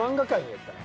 やったら？